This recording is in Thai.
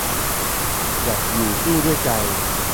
หยัดอยู่สู้ด้วยใจ